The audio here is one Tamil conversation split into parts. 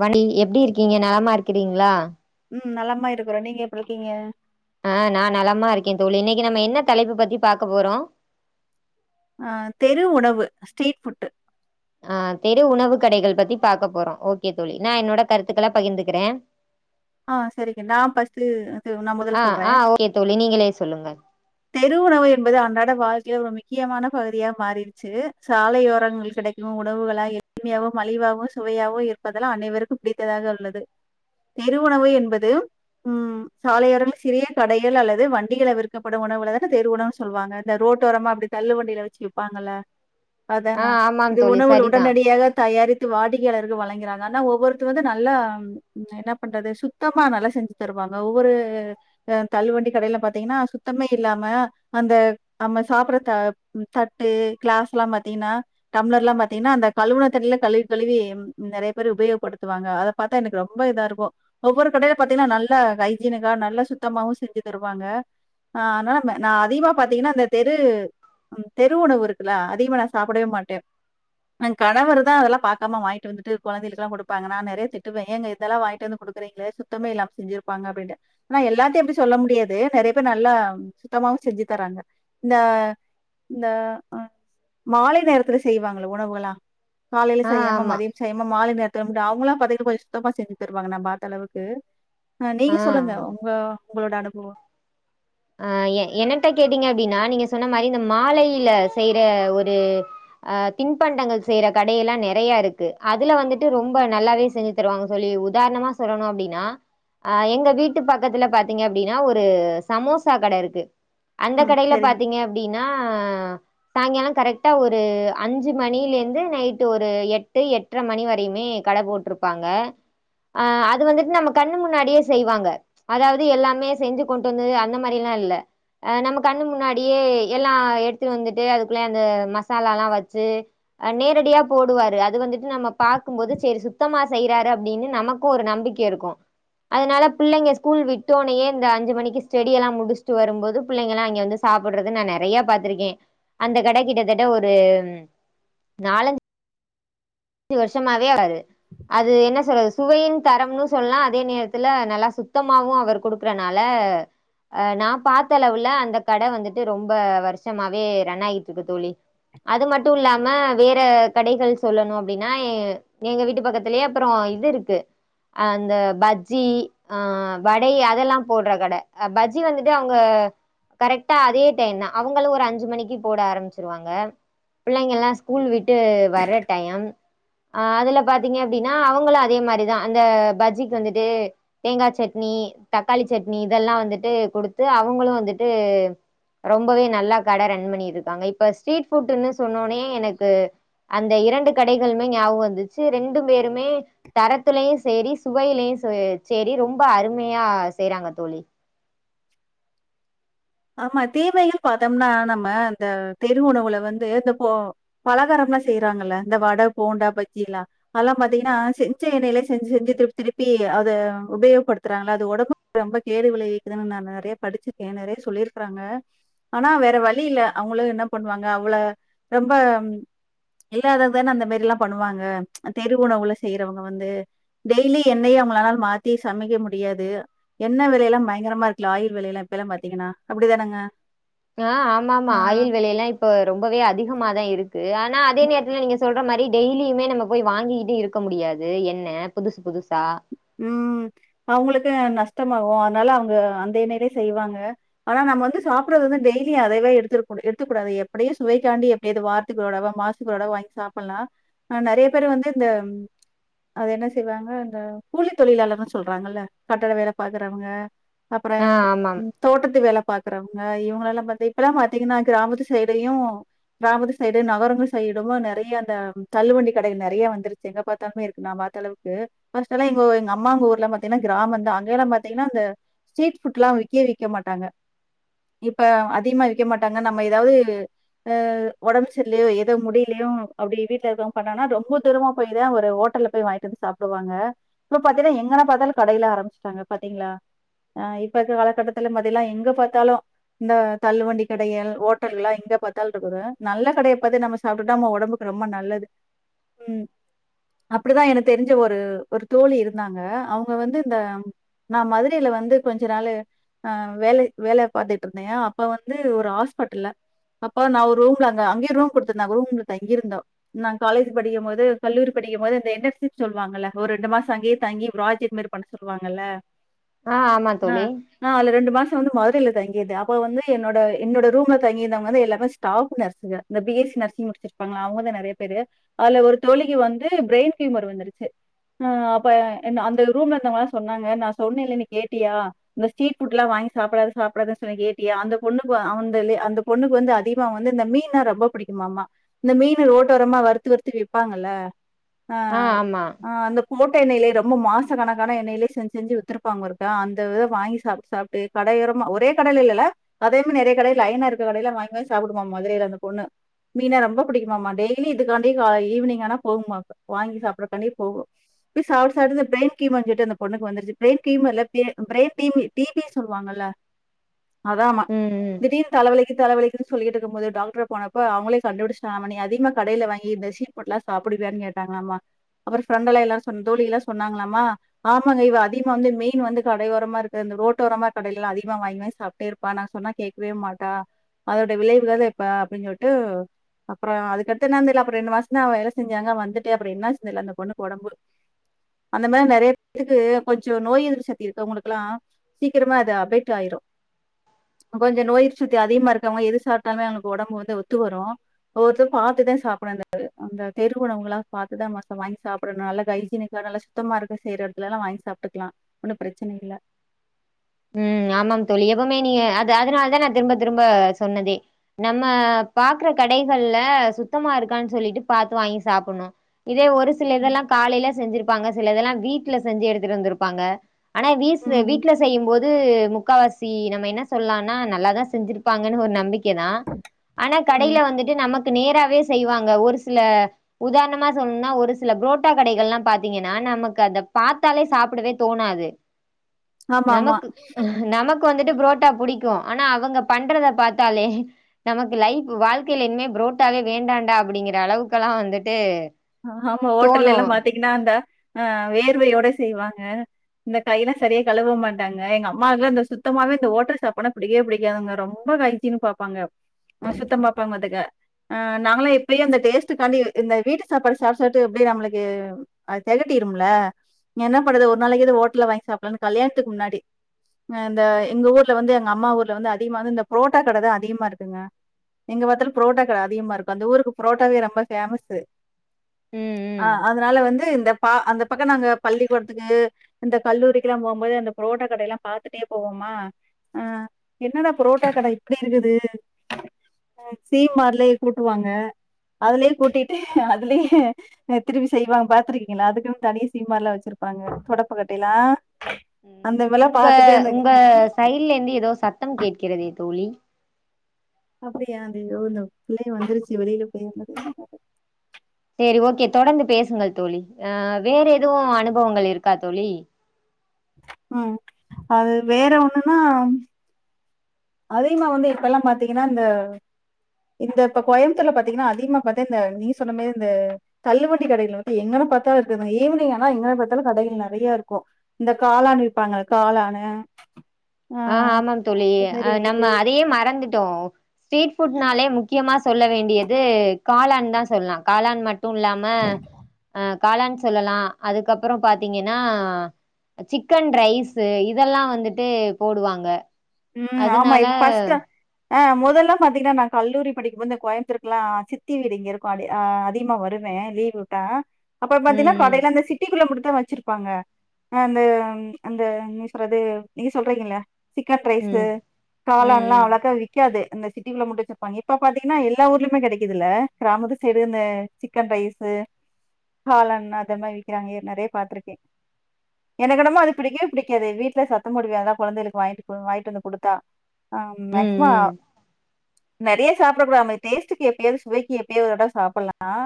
வணி எப்டி இருக்கீங்க நலமா இருக்கிறீங்களா உம் நல்லமா இருக்கிறோம் நீங்க எப்ப இருக்கீங்க ஆ நான நலமா இருக்கேன் தோழி இன்னைக்கக நம்ம என்ன தலைப்பு பத்தி பாக்க போறோம் ஆ தெரு உணவு ஸ்ட்ரீட் ஃபுட்டு் ஆ தெரு உணவு கடகள் பத்தி பாக்க போறோம் ஓகே தோழி நான என்னோட கருத்துக்கள பகிர்ந்துக்கிறேன் ஆ செரிங்க நான்ஸ நான முதல்ல ஆ ஆ சொல்றேன் ஓகே தோழி நீங்களே சொல்லுங்க தெரு உணவு என்பது அண்டாற வாழ்க்கையில ஒரு முக்கியமான பகுதியா மாறிடுச்சு சாலையோரங்கள் கெடைக்கும் உணவுகளா எளிமையாவோ மலிவாகோ சுவையாவோ இருப்பதெல்லாம் அனைவருக்கும் பிடித்ததாக உள்ளது தெரு உணவு என்பது ம் சாலையோரங்கள சிறிய கடகள் அல்லது வண்டிகில விற்கப்படும் உணவுலதான தெருவுணவுனு சொல்லாங்க இந்த ரோட்டோரமா அப்டி தள்ளு வண்டியில வச்சு வைப்பாங்கல்ல ஆ அதானா ஆமாம் இது தோழி உணவு சரிதா உடனடியாக தயாரித்து வாடிக்கையாளர்கள் வழங்குறாங்க ஆனா ஒவ்வொருத்த வந்து நல்ல என்ன பண்றது சுத்தமா நல்லா செஞ்சு தருவாங்க ஒவ்வொரு தல் வண்டி கடயில பாத்தீங்கன்னா சுத்தமே இல்லாம அந்த நம்ம சாப்படற தட்டு கிளாஸ் எல்லாம் பாத்தீங்கன்னா டம்ளர் எல்லாம் பாத்தீங்கன்னா அந்த கழவுனைத்தடையில கழுவி கழுவி நெறைய பேர் உபயோகப்படுத்துவாங்க அத பாத்தா எனக்கு ரொம்ப இதாக இருக்கும் ஒவ்வொரு கடயில பாத்தீங்கன்னா நல்ல ஹைஜீனிக்கா நல்லா சுத்தமாவும் செஞ்சு தருவாங்க ஆனால நான் அதிகமா பாத்தீங்கன்னா அந்த தெரு தெரு உணவு இருக்குல்லா அதிகமா நான் சாப்படவே மாட்டேன் கணவு தான் அதெல்லாம் பாக்காம வாங்கிட்டு வந்துட்டு குழந்தைகளுக்குல்லாம் கொடுப்பாங்க நான நெறைய திட்டுவேன் எங்க இதெல்லாம்ங்க ந்து கொடுக்குறீங்களே சுத்தமே எல்லாம செஞ்சிருப்பாங்க அப்டின்ட்டு ஆனா எல்லாத்தையும் எப்டி சொல்ல முடியாது நெறைய பேர் நல்லா சுத்தமாவ செஞ்சு தராங்க இந்த இந்த மாலை நேரத்துல செய்வாங்கள உணவுகளா காலையில ஆ செய்யாம ஆமா மதியம் செய்யாம மாலை நிற அவங்களா பதக்க சுத்தமாஞ த்துருப்பாங்கண்ணா பாத்த அளவுக்கு ஆ நீங்க சொல்லுங்க உங்க உங்களோட அனு [inaudible] ஆ என்னட்ட கேட்டீங்க அப்டின்னா நீங்க சொன்ன மாரி இந்த மாலையில செய்யற ஒரு ஆ தின்பண்டங்கள் செய்யற கடயெல்லாம் நெறைய இருக்கு அதுல வந்துட்டு ரொம்ப நல்லாவே செஞ்சு தருவாங்க சொல்லி உதாரணமா சொல்லணும் அப்டின்னா அ எங்க வீட்டு பக்கத்துல பாத்தீங்க அப்டின்னா ஒரு சமோசா கட இருக்கு அந்த ம். கடயில சரிங்க. பாத்தீங்க அப்டின்னா சாயங்காலம் கரெக்டா ஒரு அஞ்சு மணில இருந்து நைட்டு ஒரு எட்டு எட்டரை மணி வரையுமே கடை போட்டிருப்பாங்க ஆ அது வந்துட்டு நம்ம கண்ணு முன்னாடியே செய்வாங்க அதாவது எல்லாமே செஞ்சு கொண்டு வந்து ந்த இ நம்ம கண்ணு முன்னாடியே எல்லாம் எடுத்துட்டு வந்துட்டு அதுக்குள்ள அந்த மசாலா எல்லாம் வச்சு நேரடியா போடுவாரு அது வந்துட்டு நம்ம பாக்கும்போது செரி சுத்தமா செய்யறாரு அப்டின்னு நமக்கும் ஒரு நம்பிக்கை இருக்கும் அதனால புள்ளைங்க ஸ்கூல் விட்டோனேயே இந்த அஞ்சு மணிக்கு செடி எல்லாம் முடிச்சுட்டு வரும்போது பூள்ளைங்காம் அங்க வந்து சாப்படுறது நான நெறைய பா்த்திருக்கேன் அந்த கட கிட்டத்தட்ட ஒரு நாலஞ்ச அஞ்சு வருஷமாவே வருது அது என்ன சொல்றது சுவையின் தரம்ன்னனு சொல்லலாம் அதே நேரத்துல நல்லா சுத்தமும் அவர் கொடுக்குறனாலஹ நான பாத்த அளவுல அந்த கட வந்துட்டு ரொம்ப வருஷமாவே ரன் ஆகிட்டு இருக்கு தோழி அது மட்டும் இல்லாம வேற கடகள் சொல்லணும் அ அப்டின்னா எங்க வீட்டு பக்கத்துலயே அப்பறம் இது இருக்கு அந்த பஜ்ஜி ஆ வட அதெல்லாம் போடுற கட பஜ்ஜி வந்துட்டு அவங்க கரெக்டா அதே டைம் தான் அவங்களும் ஒரு அஞ்சு மணிக்கு போட ஆரம்பிச்சிருவாங்க புள்ளைங்கல்லாம் ஸ்கூல் விட்டு வர்ற டைம் ஆ அதுல பாத்தீங்க அப்டின்னா அவங்களும் அதே மாரிதான் அந்த பஜ்ஜிக்கு வந்துட்டு தேங்காய் சட்னி தக்காளி சட்னி இதெல்லாம் வந்துட்டு கொடுத்து அவங்களும் வந்துட்டு ரொம்பவே நல்லா கட ரன் பண்ணிருக்காங்க இப்ப ஸ்ட்ரீட் ஃபுடன்னு சொன்னோடனே எனக்கு அந்த இரண்டு கட கடகள்மே ஞாபகம் வந்துச்சு ரெண்டு பேருமே தரத்திலயும் செரி சுவையிலும் செரி ரொம்ப அருமையா செய்றாங்க தோழி ஆமா தீமைகள் பார்த்தோம்னா நம்ம அந்த தெரு உணவுல வந்து இந்த போ பலகாரம் எல்லாம் செய்யறாங்கல்ல இந்த வடை போண்டா பஜ்ஜி எல்லாம் அதல்லாம் பாத்தீங்கன்னா செஞ்ச எண்ணெயிலய செஞ்சு செஞ்சு திருப்பி திருப்பி அதை உபயோகப்படுத்துறாங்கள அது உடம்பு ரொம்ப கேடு விளைவிக்குதுன்னு நான் நிறைய படிச்சிருக்கேன் நிறைய சொல்லிருக்கறாங்க ஆனா வேற வழி இல்ல அவங்களும் என்ன பண்ணுவாங்க அவள ரொம்ப இல்லாததுதானே அந்த மாரில்லாம் பண்ணுவாங்க தெருவுணவு செய்யறவங்க வந்து டெய்லி எண்ணெயையும் அவங்களால மாத்தி சமைக்க முடியாது என்ன விலையெல்லாம் பயங்கரமா இருக்குல ஆயில் விலைய எல்லாம் இப்ப எல்லாம் பாத்தீங்கன்னா அப்படி தானுங்க ஆஹ் ஆமா ஆமா ஆயில் விலையல்லாம் இப்ப ரொம்பவே அதிகம தான் இருக்கு ஆனா அதே நேரத்துல நீங்க சொல்ற மாரி டெய்லியுமே நம்ம போய் வாங்கிக்கிட்டு இருக்க முடியாது என்ன புதுசு புதுசா உம் அவங்களுக்கு நஷ்டமாகும் அதனால அவங்க அந்த எண்ணெயிலே செய்வாங்க ஆனா நம்ம வந்து சாப்பிறது வந்து டெய்லியும் அதைவோ எடுத்து எடுத்துக்க கூடாது எப்படியும் சுவைக்காண்டி எப்படியாவது வாரத்துக்கு ஒரு தடவ மாசத்துக்கு ஒரு தடவ வாங்கி சாப்பிடலாம்ஹ் நிறைய பேரு வந்து இந்த அது என்ன செய்வாங்க இந்த கூலி தொழிலாளர்ன்னும் சொல்றாங்கல்ல கட்டட வேலை பாக்குறவங்க ஆ அப்றம் ஆமாம் தோட்டத்து வேல பாக்குறவங்க இவங்கள எல்லாம் ப இப்பல்லாம் பாத்தீங்கன்னா கிராமத்து சைடையும் கிராமத்து சைடு நகரங்கள் சைடும நிறைய அந்த தள்ள வண்டி கடைகள் நிறைய வந்துருச்சு எங்க பாத்தாலுமே இருக்கு நான் பாத்த அளவுக்கு எங்க எங்க அம்மாங்க ஊர்லாம் பாத்தீங்கன்னா கிராமம்்தான் அங்கே எல்லாம் பாார்த்தீங்கன்னா அந்த ஸ்ட்ரீட் ஃபுட்லாம் விக்கவே விக்கமாட்டாங்க இப்ப அதிகமா விக்க மாட்டாங்க நம்ம ஏதாவதுஹ் உடம்பு சரில்லையோ ஏதோ முடியலயோ அப்படி வீட்டுல இருக்கவங்க பண்ணான ரொம்ப தூரமா போய் தான் ஒரு ஹோட்டல்ல போய் வாங்கிட்டு வந்து சாப்பிடுவாங்க இப்ப பாத்தீங்கன்னா எங்கன்ன பார்த்தாலும் கடையில ஆரம்பச்சுட்டாங்க பாத்தீங்களா அஹ் இப்ப காலக்கட்டத்துல பாத்தால்லாம் எங்க பாத்தாலும் இந்த தள்ள வண்டி கடைகள் ஹோட்டல் எல்லாம் எங்க பார்த்தாலும் இருக்குது நல்ல கடைய பாத்து நம்ம சாப்பிட்டுட்டா நம்ம உடம்புக்கு ரொம்ப நல்லது உஹம் அப்படிதான் எனக்கு தெரிஞ்ச ஒரு ஒரு தோழி இருந்தாங்க அவங்க வந்து இந்த நான் மதுரையில வந்து கொஞ்ச நாளு வேலை பார்த்துட்டு இருந்தேன் அப்ப வந்து ஒரு ஹாஸ்பிட்டல்ல அப்ப நான் ஒரு ரூம்ல அங்க அங்கேயே ரூம் கொடுத்திரு நாங்க ரூம்ல தங்கிிருந்தோம் நான் காலேஜ் படிக்கும் போோது கல்லூரி படிக்கும் போது இந்த என்டன்ஷிப் சொல்லுவாங்கல்ல ஒரு ரெண்டு மாசம் சங்கே தங்கி் பிராஜெக்ட் மாரி பண்ண சொல்லுவாங்கல்ல ஆ ஆமா தோழி ஆஹ் ஆஹ் அல ரெண்டு மாசம் வந்து மதுரையில தங்கிருந்தேன் அப்ப வந்து என்னோட என்னோட ரூம்ல தங்கிருந்தவங்க எல்லாமே ஸ்டாஃப் நர்சங்கா பி எஸ் சி நர்சிங் முடிச்சிருப்பாங்களா அவங்க தான் நெறைய பேரு அதுல ஒரு தோழிக்கு வந்து பிரைன் ஹியூமர் வந்துருச்சு இப்ப அந்த ரூம்ல இருந்தவங்கல்லாம் சொன்னாங்க நான் சொன்னெல்ல நீ கேட்டியா இந்த ஸ்ட்ரீட் ஃபுட்ல்லாம் வாங்கி சாப்பிடாது சாப்பிடாதுன்னு சொல்லி கேட்டியா அந்த பொண்ணுக்கு அவந்த அந்த பொண்ணுக்கு வந்து அதிகமா வந்து இந்த மீன்னா ரொம்ப பிடிக்குமாமா இந்த மீன் ரோட்டோரமா வறுத்து வறுத்து விப்பாங்கல்ல ஆ அஹ் ஆமா ஆஹ் அந்த கோட் எண்ணெயிலே ரொம்ப மாச கணக்கான எண்ணெயிலே செஞ்சி செஞ்சி வித்திருப்பாங்க போலருக்கு ஆஹ் அந்த இதையே வாங்கி சாப்டு சாப்டு கடையோரமா ஒரே கடையில இல்ல அதே மாரி நெறைய கடை லயனா இருக்க கடையில வங்கி வங்கி சாப்பிடுமமா மதுரையில அந்த பொண்ணு மீன்னுன ரொம்ப பிடிக்குமாம டெய்லி இதுக்காண்டியே ஈவ்னிங் ஆன போகுமா வாங்கி சப்பிற்றதுக்கண்டியே போகும் இப்டியே சாப்டு சாப்டு இந்த பிரைன் ஹியூமர் கிட்டு அந்த பொண்ணுக்கு வந்துருச்சு பிரைன் ஹியூமர் இல்ல பிரைன் டி பி சொல்வாங்கல்லா அதாம ம் ம் திடீனு தலைவலிக் தலவலின்னு சொல்லிட்ருக்கும் போதே டாக்டர் போனப்ப அவங்களே கண்டுபுடிச்சிடா நீ அதிகமா கடையில வாங்கி இந்த ஸ்ட்ரீட் ஃபுட்லாம் சாப்டுவியானு கேட்டாங்கள மா அப்புறம் பிரண்ட் எல்லா ன்ன தோழிக எல்லாம் சொன்னாங்களாமா ஆமாங்க இவ அதிகமா வந்து மெயின் வந்து கடையோரமா இருக்கு அந்த ரோட்டோஓரமா கடையிலல்லாம் அதிகமா வாங்கி வாங்கி சாப்பிட்டே இருப்பா நாங்க சொன்னா கேக்கவே மாட்டா அதோட விளைவுதாப்ப அப்படின்னு சொல்லிட்டு அப்புறம் அதுக்கடுத்து என்னன்னு தெரில ரெண்டு மாசம தான் அவ வேலை செஞ்சாங்க வந்துட்டு அப்புறம் என்ன ஆச்சுன்னு தெரில அந்த பொண்ணு உடம்பு அந்த மாதிரி நிறைய பேருக்கு கொஞ்சம் நோய் எதிர்ப்பு சக்தி இருக்கறவங்களுக்குல்லாம் சீக்கிரமா அது அப்டேட் ஆயிடும் கொஞ்சம் நோய் எதிர்ப்பு சக்தி அதிகமா இருக்கவங்க எது சாப்பிடலுமே அவங்களுக்கு உடம்பு வந்து ஒத்து வரும் ஒவ்வொருத்தரும் பார்த்துதான் சாப்பிடும் அந்த தெரு உணவுங்களா பார்த்துதான் வாங்கி சாப்பிடணும் நல்லா ஹை ஜீனிக்க நல்லா சுத்தமா இருக்க செய்யற எடத்துல எல்லாம் வாங்கி சாப்பட்டுக்கலாம் ஒன்னும் பிரச்சனை இல்லை ம்ம் ஆமாம் தொளியவுமே நீங்க அதனாலதான் நான் திரும்ப திரும்ப சொன்னதே நம்ம பாக்குற கடைகள்ல சுத்தமா இருக்கான்னு சொல்லிட்டு பார்த்து வாங்கி சாப்பிடணும் இதே ஒரு சில இதெல்லாம் காலையில செஞ்சிருப் இருப்பாங்க சில இதெல்லாம் வீட்டுல செஞ்சு எடுத்துட்டு வந்திருப்பாங்க ஆனா வீஸ் ம் வீடல செய்யும் போத் முக்காவாசி நம்ம என்ன சொல்லானா நல்லாாதான் செஞ்சிருப்பாங்கன்னு ஒரு நம்பிக்கை கே தான் ஆனா கடைல ம் வந்துட்டு நமக்கு நேராவே செய்வாங்க ஒரு சில உதாரணமா சொல்லணும்னா ஒரு சில புரோட்டா கடைகள் எல்லாம் பாாரத்தீங்கன்னா நமக்கு அத பார்த்தாலே சாப்பிடவே தோணாது ஆமா ஆமா நமக்கு நமக்கு வந்துட்டு புரோட்டா புடிக் இரு ஆனா அவங்க பண்றத பார்த்தாலே நமக்கு லைஃப் வாழ்க்கையில இனிமே ப்ரோட்டாவே வேண்டாண்டா அப்படிங்கிற அளவுக்ககெல்லாம் வந்துட்டு ஹ் ஆமா ஹோட்டல்ல தோணு எல்லாம் பாத்தீங்கன்னா அந்த அஹ் வேர்வையோட செய்வாங்க இந்த கையெல்லாம் சரியா கழுவ மாட்டாங்க எங்க அம்மாவுக்கு அந்த சுத்தமாவே இந்த ஓட்டல் சாப்பாடுனா பிடிக்கவே பிடிக்காதுங்க ரொம்ப ஹசின்னு பாப்பாங்க சுத்தம் பாப்பாங்க நாங்கல்லாம் இப்பவும் அந்த டேஸ்ட் காண்டி இந்த வீட்டு வீட்டு சாப்பாடு சாப்பிட்டு எப்படி நம்மளுக்கு தகட்டிடுமுல்ல என்ன பண்ணறது ஒரு நாளைக்கு ஏது ஹோட்டல்ல வாங்கி சாப்பிடலாம் கல்யாணத்துக்கு முன்னாடி இந்த எங்க ஊர்ல வந்து எங்க அம்மா ஊர்ல வந்து அதிகமா வந்து இந்த புரோட்டா கடைதான் அதிகமா இருக்குங்க எங்க பார்த்தலும் புரோட்டா கடை அதிகமா இருக்கும் அந்த ஊருக்கு புரோட்டாவே ரொம்ப பேமஸ் ம் ம் அதனால வந்து இந்த அந்த பக்கம் நாங்க பள்ளிக்கூடத்துக்கு இந்த கல்லூரிக்கு எல்லாம் போகும்போது அந்த புரோட்டா கடை எல்லாம் பாத்துட்டே போவோமா என்னன்னா புரோட்டா கடை இப்படி இருக்குது சீமார்லே கூட்டுவாங்க அதுலயே கூட்டிட்டு அதுலயே திருப்பி செய்வாங்க பாத்துருக்கீங்களா அதுக்குன்னு தனியே சீமார்லா எல்லாம் வச்சிருப்பாங்க தொடப்பக்கட்டை எல்லாம் உங்க உங்க சைட்ல இருந்து ஏதோ சத்தம் கேட்கிறதே தோழி அப்டியா இதோ இந்த பிள்ளக வந்துருச்சு வெளியில போயிருந்தது என் அஹ் வேற எதுவும் அனுபவங்கள் இருக்கா தோழி உஹம் அது வேற ஒண்ணுன்னா அதிகமா வந்து இப்பெல்லாம் பார்த்தீங்கன்னா இந்த இந்த இப்ப கோயம்புத்தூர்ல பார்த்தீங்கன்னா அதிகமா பாத்தே இந்த நீங்க சொன்ன மாதிரி இந்த தள்ளுவண்டி கடைகள் வந்து எங்கன்ன பாத்தாலும் இருக்குது ஈவினிங் ஆனா எங்க பார்த்தாலும் கடைகள் நெறைய இருக்கும் இந்த காளான் விப்பாங்க காளானு ஆஹ் ஆமா தோழி நம்ம அதையே மறந்துட்டோம் [unintelligible] ஸ்ரீபுட் நாளே முக்கியமா சொல்ல வேண்டியது காளான் தான் சொல்லாம் காளான் மட்ட ட்டும் இல்லாம அஹ் காளன்னு சொல்லலாம் அதுக்கப்புறம் பாத்தீங்கன்னா சிக்கன் ரைஸ் இதெல்லாம் வந்துட்டு போடுவாங்க உம் ஆமா அதனால இ பஸ்டல ஆஹ் முதல்லாம் பாத்தீங்கன்னா நான் கல்லூரி படிக்கும்போது இந்த கோயம்பத்தூருக்கு எல்லாம் சித்தி வீடு இங்க இருக்கும் அதிகமா வருவேன் லீவ் வுட்டா அப்புற ம் பாத்தீங்கனா அந்த சிட்டிக்குள்ள வச்சிருப்பாங்க அந்த அந்த நீ சொல்றது நீங்க சொல்றீங்கள சிக்கன் ம் ரைஸ் ம் ம் ம் காளன்ல்லாம் ம் அவ்வளாக்கா விக்காது இந்த சிட்டகுள்ள மூடி வச்சிருப்பாங்க இப்ப பாத்தீங்கன்னா எல்லா ஊர்லயுமே கிடைக்குதல்ல கிராமத்து சைடு இந்த சிக்கன் ரைஸ் காளான் அத மாதிரி விக்கிறாங்க நெறைய பாத்துருக்கேன் எனக்கு என்னமோ அது பிடிக்கவே பிடிக்காது வீட்டுல சத்தம் போடுவே அத கொழந்தைகளுக்கு வாங்கிட்டு வாயிட்டு வந்து கொடுத்தா ஆஹ் மஷ்மா ம் ம் நெறைய சாப்பிட கூடாது டேஸ்டுக்கு எப்பாவது சுவைக்கு எப்பயாவது சாப்பிடலாம்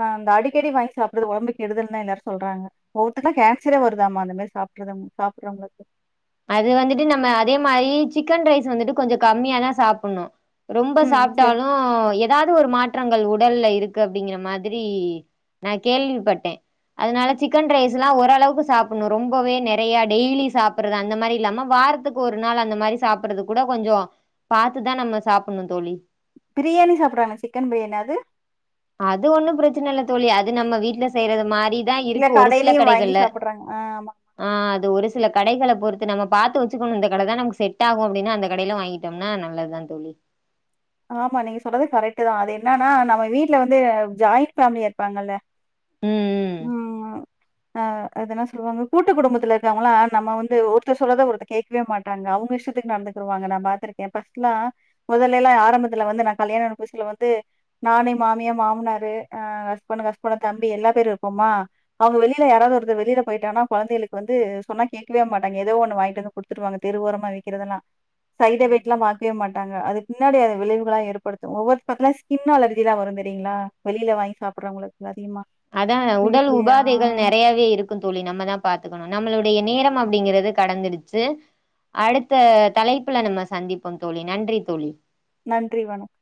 அஹ அடிக்கடி வாங்கி சாப்படுறது உடம்புக்கு கெடுதல்னு எல்லாரும் சொல்றாங்க ஒவ்வொருத்தருக்கெல்லாம் கேன்சரே வருதாம்மா அந்த மாதிரி சாப்பாடு சாப்பிறவங்களுக்கு அது வந்துட்டு நம்ம அதே மாதிரி சிக்கன் ரைஸ் வந்துட்டு கொஞ்சம் கம்மியாதான் சாப்புடுணும் ரொம்ப ம் சரி சாப்புட்டாலும் ஏதாவது ஒரு மாற்றங்கள் உட ல்ல இருக்கு அப்படிங்கிற மாதிரி நா கேள்விப்பட்டேன் அதனால சிக்கன் ரைஸ் எல்லாம் ரொம்பவே நிறையா டைய்லிசாப் அந்த மாதிரி இல்லாம வாரத்துக்கு ஒரு நாள் அந்த மாதிரி சாப்பறது கூட கொஞ்சம் பாத்துதான் நம்ம சாப்பிடணும் தோழி பிரியாணி சாப்பறாங்க சிக்கன் பிரியாணி அது அது ஒன்னும் பிரச்சனை இல்ல தோழி அது நம்ம வீடடு்ல செய்யிறது மாரி தா இல்ல இருக்கு ஒரு சில கடையிலயும் வாங்கி கடைகள்ல சாப்பிடுறாங்க ஆ, ஆமா ஆஹ் அது ஒரு சில கடைகள பொறுத்து நம்ம பார்த்து வச்சுக்கணும் இந்த கடை தான் நமக்கு செட் ஆகும் அப்படின்னா அந்த கடையில வாங்கிட்டோம்னா நல்லதுதா தோழி ஆமா நீங்க சொல்றது கரெக்ட்தான் அது என்னன்னா நம்ம வீட்டுல வந்து ஜாயிண்ட் பேமிலியா இருப்பாங்கல்ல ம் உஹம் ஆஹ் அது சொல்லுவாங்க கூட்டு குடும்பத்துல இருக்கவங்களாம் நம்ம வந்து ஒருத்தர் சொல்றத ஒருத்த கேட்கவே மாட்டாங்க அவங்க இஷ்டத்துக்கு நடந்துக்குவாங்க நான் பாத்திருக்கேன் பஸ்ட் எல்லாம் முதல்ல எல்லாம் யார ம்பத்துல வந்து நான கல்யாண அனுப்பூசில வந்து நானே மாமியா மாமனாரு அஹ அஸ்பண்டன்ஸ்பன் தம்பி எல்லா பேரும் இருப்போம்மா அவங்க வெளியில யாராவது வருது வெளியில போயிட்டானா கொழந்தைகளுக்கு வந்து சொன்னா கேட்கவே மாட்டாங்க ஏதோ ஒண்ணு வாங்கிட்டு வந்து குடுத்துட்டுவாங்க தெருஓரமா வக்கிறதுதெல்லாம் சைத வட் ம் எல்லாம் ம் மாத்வே மாட்டாங்க அது முன்னாடியாது விளைவுகள ஏற்படுத்தும் ஒவ்வொரு பக்க ஸ்கின் அலர்ஜிலா வரும் தெரியீங்களா வெளில வாங்கி சாப்ட்ரவங்களுக் அதான் உடல் உபாதைகள் நெறையாவே இருக்கும் தோழி நம்ம தான் பாத்துக்கணும் நம்மளுடைய நேரம் அப்டிங்கறது கடந்துடுச்சு அடுத்த தலைப்பல நம்ம சந்திப்போம் தோழி நன்றி தோழி நன்றி வணக்கம்